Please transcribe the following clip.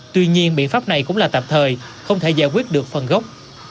tuy nhiên biện pháp này cũng là tạm thời không thể giải quyết được phần gốc